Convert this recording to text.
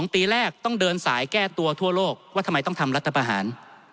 ปีแรกต้องเดินสายแก้ตัวทั่วโลกว่าทำไมต้องทำรัฐประหาร